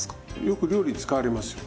よく料理に使われますよ。